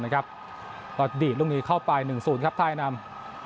นะครับแล้วดีดตรงนี้เข้าไปหนึ่งสูตรครับไทยนำ